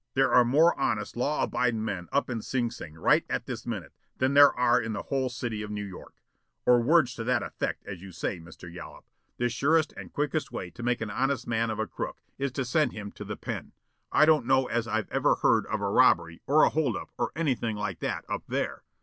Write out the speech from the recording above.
There are more honest, law abidin' men up in Sing Sing right at this minute than there are in the whole city of New York. Or words to that effect, as you say, Mr. Yollop. The surest and quickest way to make an honest man of a crook is to send him to the pen. I don't know as I've ever heard of a robbery, or a holdup, or anything like that up there."